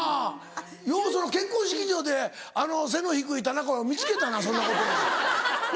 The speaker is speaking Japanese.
ようその結婚式場であの背の低い田中を見つけたなそんなことより。